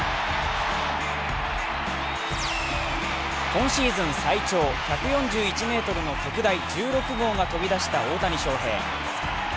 今シーズン最長１４１ｍの特大１１号が飛び出した大谷翔平。